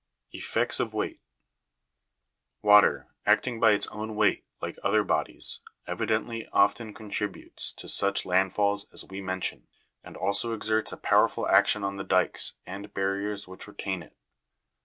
10. Effects of weight. Water acting by its own weight like other bodies, evidently often contributes to such land falls as we mention, and also exerts a powerful action on the dykes and bar riers which retain it.